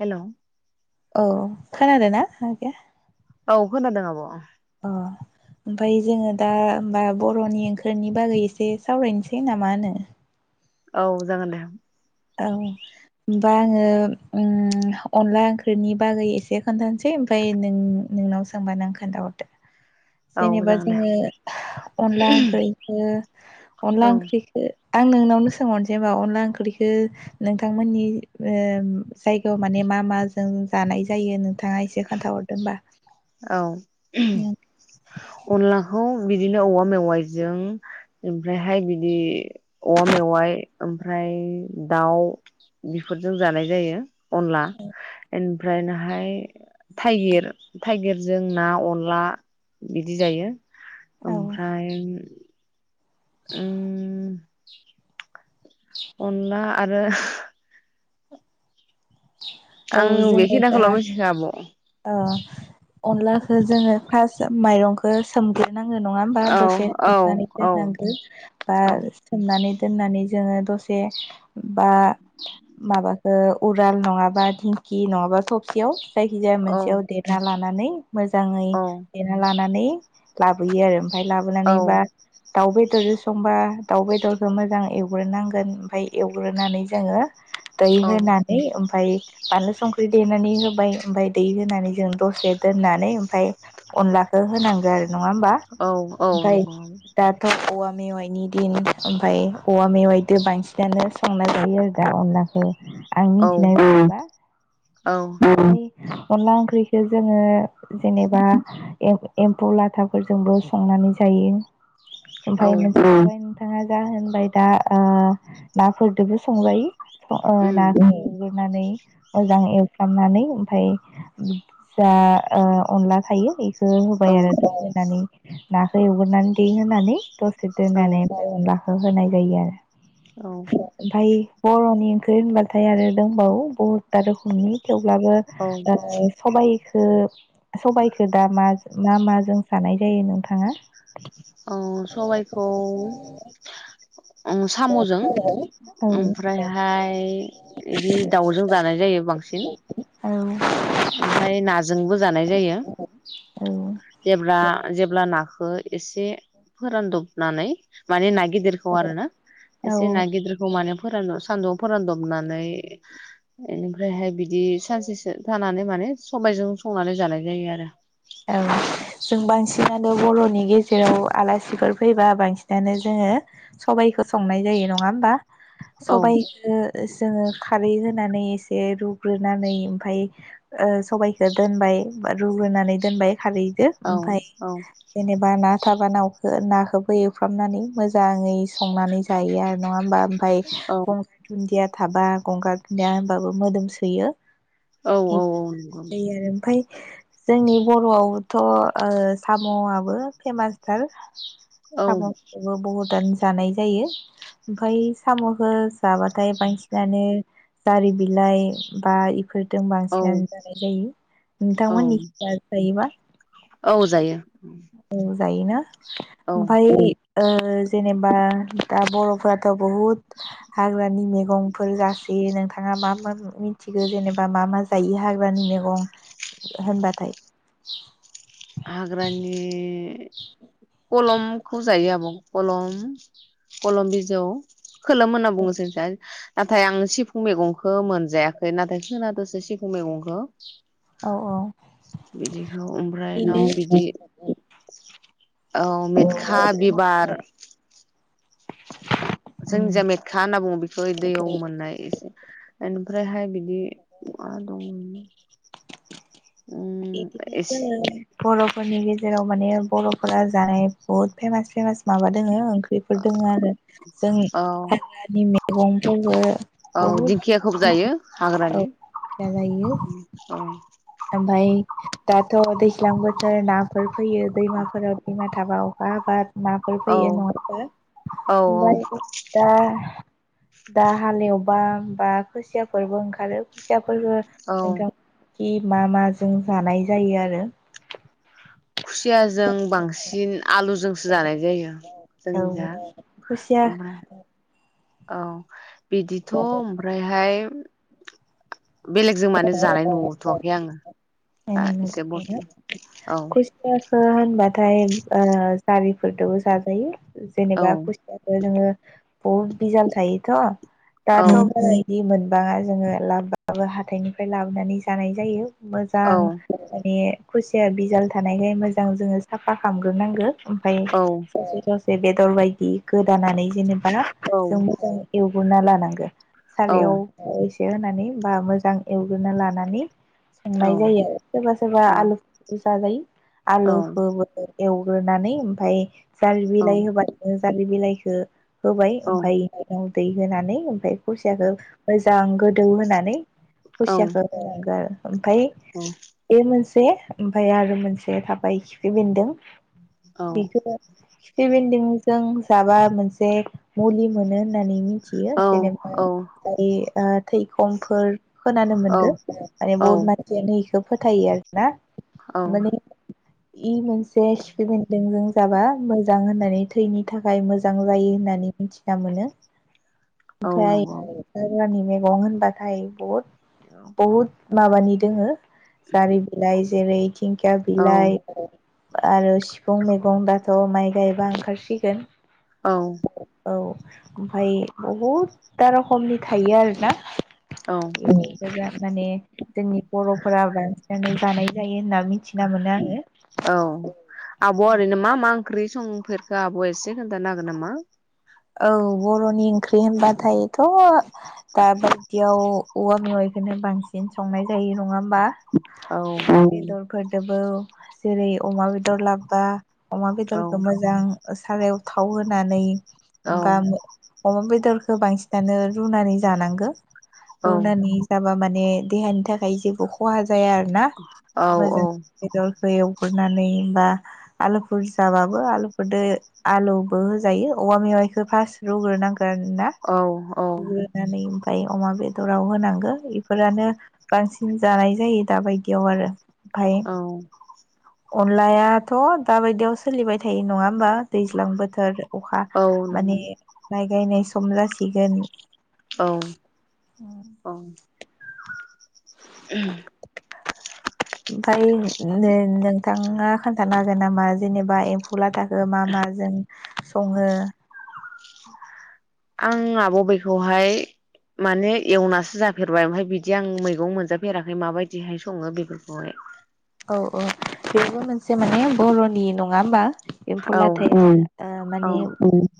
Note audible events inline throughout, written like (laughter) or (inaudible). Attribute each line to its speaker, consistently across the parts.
Speaker 1: Hello
Speaker 2: औ खोनादों ना आगैया?
Speaker 1: औ खोनादों आब अ
Speaker 2: अ ओमफ्राय जोङो दा बा बरनि ओंख्रिनि बागै एसे सावरायनोसै नामा होनो?
Speaker 1: औ जागोन दे।
Speaker 2: औ ओमबा आंङो उम अनला ओंख्रिनि बागै एसे खोन्थानोसै ओमफ्राय नों नोंनाव सोंबा नों खोन्थाहरदो।
Speaker 1: औ
Speaker 2: जेनेबा
Speaker 1: जागोन दे
Speaker 2: जोङो अनला ओंख्रैखो अनला
Speaker 1: औ
Speaker 2: ओंख्रैखो आं नोंनावनो सोंहरनोसै ओमबा अनला ओंख्रै खो नोंथांमोननि ओम जायगायाव माने मा माजों जानाय जायो नोंथाङा एसे खोन्थाहरदो ओमबा।
Speaker 1: औ अनलाखौ बिदिनो औवा मेवाइजों ओमफ्रायहाय बिदि औवा मेवाइ ओमफ्राय दाउ बेफोरजों जानाय जायो। अनला ओमफ्राय नाहाय थायगिर। थायगिरजों ना अनला। बिदि जायो
Speaker 2: औ
Speaker 1: ओमफ्राय उम अनला आरो
Speaker 2: औ
Speaker 1: आं
Speaker 2: जोङो दा
Speaker 1: बेखिनाखौल मिथिगौ आब'।
Speaker 2: औ अनलाखौ जोङो फास्द माइरंखौ सोमग्रो नांगौ नङा होमबा दसे
Speaker 1: औ
Speaker 2: सोमनानै
Speaker 1: औ
Speaker 2: दोननांगौ बा सोमनानै दोननानै जोङो दसे बे बा माबाखौ उराल नङाबा दिंखि नङाबा थबसियाव जायखिजाया
Speaker 1: औ
Speaker 2: मोनसेयाव देना लाना लानानै मोजाङै देना लानानै नै लाबोयो आरो फाय लाबोनानै
Speaker 1: औ
Speaker 2: बा दाउ बेदर संबा दाउ बेदरखौ मोजां एवग्रोनांगोन ओमफ्राय एवग्रोनानै जोङो दै
Speaker 1: औ
Speaker 2: होनानै ओमफ्राय बानलु संख्रि देनानै होबाय ओमफ्राय दै होनानै जों दसे दोननानै ओमफ्राय अनलाखौ होनांगौ आरो। नङा होमबा
Speaker 1: औ औ
Speaker 2: ओमफ्राय
Speaker 1: नंगौ
Speaker 2: दाथ' औवा मेवाइनि दिन ओमफ्राय औवा मेवाइजों बांसिनानो संना जायो आरो दा अनलाखौ। आं
Speaker 1: औ
Speaker 2: मिथिनाय बादिबा
Speaker 1: औ
Speaker 2: अनला ओंख्रिखौ जोङो जेनेबा एम्फौ लाथाफोरजोंबो संनानै जायो‌।
Speaker 1: औ
Speaker 2: ओमफ्राय मोनसेफ्राय नोंथाङा जा होनबाय दा नाफोरजोंबो संजायो। ओ ना
Speaker 1: उम
Speaker 2: एवग्रोनानै मोजां एवफ्रामनानै ओमफ्राय जा अनला थायो बे
Speaker 1: औ
Speaker 2: होबाय आरो दा होनानै नाखौ एवगोरनानै देै होनानै दसे
Speaker 1: औ
Speaker 2: दोननानै (unintelligible) होनाय जायो आरो।
Speaker 1: औ
Speaker 2: ओमफाय बरनि ओंख्रि होनबा थाय आरो दंबावो बहुतथा रोखोमनि थेवब्लाबो
Speaker 1: औ
Speaker 2: ओ सबाय खौ सबायखौ दा (unintelligible) मा मा जों जानाय जायो नोंथाङा
Speaker 1: औ सबायखौ ओं सामजों
Speaker 2: औ
Speaker 1: ओमफ्रायहाय बिदि दाउजों जानाय जायो बांसिन
Speaker 2: औ
Speaker 1: ओमफाय नाजोंबो जानाय जायो
Speaker 2: औ
Speaker 1: जेब्ला जेब्ला नाखौ एसे फोरानदबनानै माने ना गिदिरखौ आरो ना
Speaker 2: औ
Speaker 1: एसे ना गिदिरखौ माने फोरान सानदुं आव फोरानदबनानै बेनिफ्रायहाय बि दि सानसेसो थानानै माने सबायजों संनानै जानाय जायो आरो
Speaker 2: औ जों बांसिनानो बरनि गेजेराव आलासिफोर फैबा बांसिनानो जोङो सबायाइखौ संनाय जायो नङा होमबा
Speaker 1: औ
Speaker 2: सबाय खो जोङो खारै होनानै एसे रुग्रोनानै ओमफाय ओ सबायाइखो दोनबाय बा रुग्रोनानै दोनबाय खारैदो
Speaker 1: औ
Speaker 2: ओमफ्राय
Speaker 1: औ
Speaker 2: जेनेबा ना थाबा ना नाखौबो एवफ्रामनानै मोजाङै संनानै जायो आरो नङा होमबा ओमफाय
Speaker 1: औ
Speaker 2: गंगार दुदिया थाबा गंगार दुनदिया होबाबो मोदोम सोयो
Speaker 1: औ औ औ नंगौ
Speaker 2: ओमफ्राय जोंनि बरआवथ ओ सामआबो फेमासथार
Speaker 1: औ
Speaker 2: सामखौबो बहुदानो जानाय जायो ओमफ्राय सामखौ जाबाथाय बांसिनानो जारि बिलाइ बा फोरदों
Speaker 1: औ
Speaker 2: बांसिनानो जानाय जायो
Speaker 1: औ
Speaker 2: नोंथांमोननि (unintelligible) जायोबा
Speaker 1: औ जायो
Speaker 2: औ जायोना
Speaker 1: औ
Speaker 2: ओमफाय ओ ओ जेनेबा दा बर फोराथ बुहुत हाग्रानि मैगंफोर जासोयो नोंथाङा मा मा मिथिगौ जेनेबा मा मा जायो हा हाग्रा नि मैगं होनबाथाय
Speaker 1: हाग्रानि कलमखौ जायो आब । कलम कलम बिजौ खोलोम होनानै बुङोजोंजा। नाथाय आं सिफुं मैगंखौ मोनजायाखै नाथाय खोनादोसो सिफुं मैगंखौ।
Speaker 2: औ औ
Speaker 1: बिदिखौ ओमफ्राय बिनाव बिदि औ मेटखा बिबार जोंनि
Speaker 2: उम
Speaker 1: जा मेटखा होनना बुङो बेखौ दैयाव मोननाय ओमफ्रायहाय बिदि मा दं। उम
Speaker 2: एदि
Speaker 1: एसे
Speaker 2: दों बर'फोरनि गेजेराव माने बर'फोरा जानाय बुहुत फेमास फेमास माबा दोङो। खैफोर दोंङो आरो जों
Speaker 1: औ
Speaker 2: (unintelligible) गंफोरबो
Speaker 1: औ दिंखियाखौ बो जायो
Speaker 2: औ
Speaker 1: हाग्रानि औ।
Speaker 2: मफाय दाथ' दैल्जां बथोर नाफोर‌फो फैयो दैमाफोराव दैमा थाबा अखा हबाद माफोर
Speaker 1: औ
Speaker 2: फैयो नंआमबा
Speaker 1: औ
Speaker 2: ओमबाय दा दा हालेवबा बा खोसियाफोरबो ओंखारो । सियाफोरबो
Speaker 1: औ
Speaker 2: नोंथांब यि मा माजों जानाय जायो आरो।
Speaker 1: खुसियाजों बांसिन आलुजोंसो जानाय जायो जोंनि जा
Speaker 2: औ खुसिया
Speaker 1: ओमफाय औ। बिदिथ' ओमफ्रायहाय बेलेगजों माने जानाय नुथ'वाखै आङो। दा एसे बस
Speaker 2: खुसयस ओ होनबाथाय ओ जारिफोरदोबो जाजायो।
Speaker 1: औ
Speaker 2: जेनेबा खुसियाखो जोङो बहुद बिजाल थायोथ।
Speaker 1: औ
Speaker 2: दाराथ बारा‌इदि मोन बाङा जोङो लाबबाबो हाथाइनिफाय लाबोनानै जानाय जायो।
Speaker 1: औ
Speaker 2: मोजां माने। खुसिया बि जाल थानायखाय मोजां जोङो साफा खालामग्रोनांगो। ओमफाय
Speaker 1: औ
Speaker 2: ससे‌ सस जे बेदर बायदि गोदानानै जेनेब बा‌
Speaker 1: औ
Speaker 2: जों मोजां एउ उनना लानांगो।
Speaker 1: औ
Speaker 2: सारियाव ओ ऐस से होनानै बा मोजां एवग्रोनो लानानै।
Speaker 1: औ
Speaker 2: संनाय जायो सोरबा सोरबा आलु जाजायो।
Speaker 1: औ
Speaker 2: आलुखोबो। एवग्रोनानै ओमफ्राय जारि बिलाइ होबानो जारि बिलाइ खो होबाय
Speaker 1: औ
Speaker 2: ओमफ्राय (unintelligible) दै होनानै ओमफ्राय खुसियाखो (unintelligible) जां गोदौ होनानै
Speaker 1: औ
Speaker 2: खुसियाखौ होनांगोन आरो ओमफ्राय बे मोनसे बे ओमफ्राय आरो मोनसे थाबाय खिफि बेन्दों बेखौ खिफि बेन्दोंजों जाबा मोनसे मुलि मोनो होननानै मि थियो जेनेबा
Speaker 1: औ
Speaker 2: (unintelligible) ओ थै खमफोर खोनानो मोनदो माने
Speaker 1: औ
Speaker 2: बहुत मानसियानो इ बेखौ फोथायो आरो ना
Speaker 1: औ
Speaker 2: इ मोन से खिफि बेन्दोंजों जाबा मोजां होननानै थैनि थाखाय मोजां जायो होननानै मिथिना मोनो
Speaker 1: औ
Speaker 2: ओमफ्राय
Speaker 1: नंगौ
Speaker 2: आग्लानि मैगं गं होनबाथाय बहुद बहुद माबानि दोङो जारि बिलाइ जेरै खि दिंखिया
Speaker 1: औ
Speaker 2: बिलाइ आरो सिफुं मैगं दाथ माइ गायबा ओंखारसिगोन
Speaker 1: औ
Speaker 2: औ ओमफ्राय बहुद था रखमनि थायो आरो ना
Speaker 1: औ
Speaker 2: ओम गोबां माने जोंनि बरफोरा बांसिनानो जानाय जायो होनना मिथिना मोनो
Speaker 1: औ
Speaker 2: आङो
Speaker 1: आब' ओरैनो मा मा ओंख्रि संफेरखो आब एसे खोन्थानो हागोन नामा
Speaker 2: औ बरनि ओंख्रि होनबाथायथ दाबायदियाव औवा मेवाइखौनो बांसिन संनाय नाय जायो नङा होनबा
Speaker 1: औ
Speaker 2: ओम फोरदोबो जेरै अमा बेदर लाबबा अमा
Speaker 1: औ
Speaker 2: बेदरखौ मोजां सारायाव थाव होनानै
Speaker 1: औ
Speaker 2: ब अमा बेदर गो बांसिनानो रुनानै जानांगौ
Speaker 1: औ
Speaker 2: रुनानै जाबा माने बै देहानि थाखाय जेबो खहा जा जाया आरोना
Speaker 1: औ
Speaker 2: मोजां बेदर हो एवग नानै बा आलुफोर जाबाबो आलुफोर आलुबो होजायो औवा मेवाय फास्ट रुग्रोनांगो नागोनना
Speaker 1: औ औ
Speaker 2: रुग्रोनानै ओमफ्राय अमा बेदराव होनांगौ बेफोरानो बांसिन जानाय जायो दाबायदियाव आरो ओमफाय
Speaker 1: औ
Speaker 2: अनलायाथ' दाबायदियाव सोलिबाय थायो नङा होमबा दैज्लां बोथोर अखा
Speaker 1: औ
Speaker 2: माने
Speaker 1: नंगौ
Speaker 2: माय गायनाय सम खम लाजिगोन
Speaker 1: औ औ (unintelligible)
Speaker 2: ओमफफ्राय नों नोंथाङा खोन्थाना हागोन नामा जेनेबा एम्फुलाथाखौ ओ मा माजों सङो
Speaker 1: आं आब' बेखौहाय माने एवनासो जाफेरबाय ओमफ्राय बिदि आं मैगं मोनजाफेराखै माबायदिहाय सङो बेफोरखौहाय।
Speaker 2: औ औ बेबो मोनसे माने बर'नि नङा होमबा?
Speaker 1: औ
Speaker 2: एम्फौलाथाय
Speaker 1: औ
Speaker 2: माने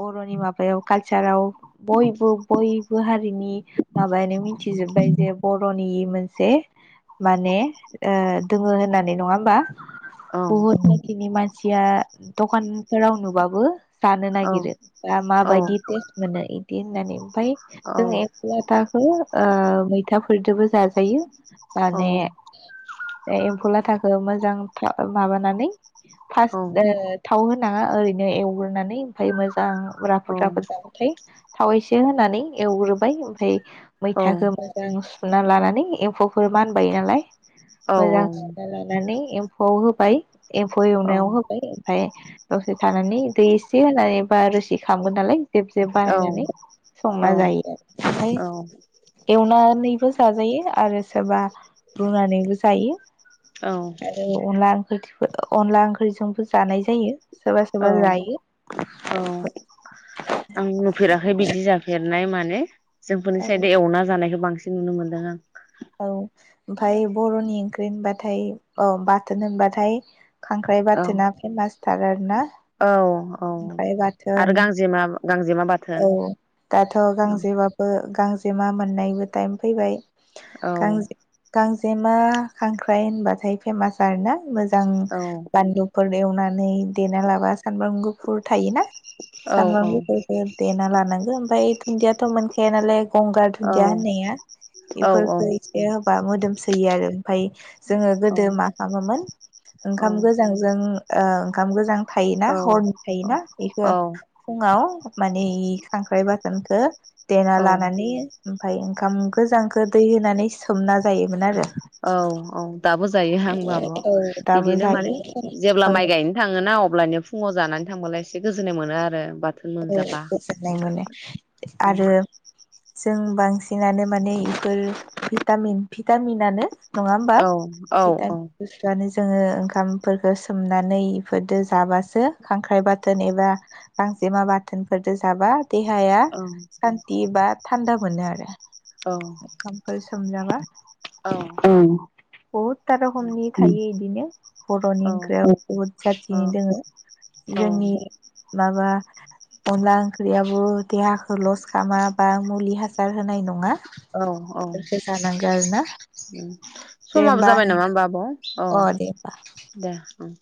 Speaker 2: बर'नि माबायाव कालचाराव। बयबो बय बो हारिनि माबानो मिथिजोबबाय जे बर' बर'नि मोनसे माने मोनसे दोङो होनो होननानै नङा होमबा?
Speaker 1: औ
Speaker 2: बहुद जाथिनि मानसि बिया दखानफोराव नुबाबो जानो
Speaker 1: औ
Speaker 2: नागिरो बा
Speaker 1: औ
Speaker 2: माबायदि टेस्ट मोनो इदि होननानै ओमफाय
Speaker 1: औ
Speaker 2: जों एम्फौ लाथाखौ ओ मैथा बयदोबो जाजायो। जायो
Speaker 1: औ
Speaker 2: माने दायो एमफौ लाथ थाखौ मोजां माबानानै
Speaker 1: औ
Speaker 2: फास्ट ओ थाव होना नाङा ओरैनो एवग्रोननानै ओमफ्राय मोजां दा
Speaker 1: औ
Speaker 2: राफोद राफोद जाबाथाय थाव एसे होनानै एवग्रोबाय ओमफ्राय मैथाखौ मोजां सुना लानानै नै एम्फौफोर मानबायो नालाय।
Speaker 1: औ औ।
Speaker 2: नानै एमफौखौ होबाय। एम्फौ एवनायाव होबाय ओमफ्राय दसे थानानै दै एसे होनानै बा रोसि खालामगोन नालाय। जेब जेब बानायनानै संना जायो आरो ओमफ्राय एवना नै बो जाजायो आरो सोरबा रुनानैबो जायो।
Speaker 1: औ
Speaker 2: आरो अनला ओंख्रै अनला ओंख्रिजोंबो जानाय जायो। सोरबा
Speaker 1: औ
Speaker 2: सोरबा जायो
Speaker 1: औ आं नुफेराखै बिदि जाफेरनाय मान माने जोंफोरनि साइडै एवना जानायखौ बांसिन नुनो मोन्दों आं
Speaker 2: औ ओमफ्राय बर'नि ओंख ख्रि होनबाथाय औ बाथोन होनबाथाय खांख्राइ बाथोना फेमास थार आरो ना
Speaker 1: औ औ आरो गांजेमा गांजेमा बाथोन
Speaker 2: औ दाथ'
Speaker 1: औ
Speaker 2: गांजेबाबो गांजेमा मोननायबो टाइम फैबाय गांजे गांजे जेमा खांख्राइ होनबाथाय फेमास आरो ना मोजां
Speaker 1: औ
Speaker 2: जां बान्लु फोर एवनानै देना लाबा सानब्राम गुफुर थायोना।
Speaker 1: औ
Speaker 2: सानब्राम
Speaker 1: औ
Speaker 2: गुफुरफोर देना लानांगो ओमफ्राय दुन्दियाथ' मोन खाया नालाय गंगार
Speaker 1: औ
Speaker 2: दुन्दिया होननाया
Speaker 1: औ
Speaker 2: बेफोरफोरखो एसे होबा मोदोम सोयो आरो ओमफ्राय जोङो
Speaker 1: औ
Speaker 2: गोदो मा खालामोमोन ओंखाम गोजांजों। ओ ओंखाम गोजां। थायोना हरनि थायोना बेखौ फुङाव ओइ खांख्राइ बाथोनखौ देना
Speaker 1: औ
Speaker 2: लानानै। ओमफ्राय ओंखाम गोजांखो दै होनानै सोमना जायोमोन आरो
Speaker 1: औ औ दाबो जायो आंबो आब'
Speaker 2: औ दाबो
Speaker 1: बिदिनो माने
Speaker 2: जायो
Speaker 1: जेब्ला
Speaker 2: औ
Speaker 1: माइ गायनो थाङोना अलानो फुङाव जाना थांबलाय एसे गोजोन्नाय मोनो आरो। बाथोन
Speaker 2: औ
Speaker 1: मोनजाबा
Speaker 2: गोजोननाय मोनो
Speaker 1: औ
Speaker 2: आरो जों। बांसिनानो माने इफोर भिटामिन भिटामिनानो। नङा होमबा
Speaker 1: औ औ औ
Speaker 2: भिटामिन बुस्थुआनो। जोङो ओंखामफोरखो सोमनानै इफोरदो जाबासो खांख्राइ बाथोन एबा गां जेमा बाथोनफोरजों जाबा देहाया सान्थि बा थान्दा मोनो आरो।
Speaker 1: औ
Speaker 2: समजाबा औ बहुदता
Speaker 1: औ
Speaker 2: रखमनि थायो इदिनो बर'नि ओंख्रियाव बहुद
Speaker 1: औ
Speaker 2: जातिनि दोङो
Speaker 1: औ
Speaker 2: जोंनि माबा अनला ओंख्रियाबो देहाखौ लस खामा बा मुलि हासार होनाय नङा।
Speaker 1: औ औ
Speaker 2: बेफोरखौ जानांगौ आरो ना
Speaker 1: उम
Speaker 2: दे
Speaker 1: समाबो
Speaker 2: होमबा
Speaker 1: जाबाय
Speaker 2: आंनि
Speaker 1: नामा होमबा आब?
Speaker 2: अ दे होमबा
Speaker 1: 'औ दे ओं।